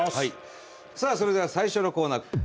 さあそれでは最初のコーナー。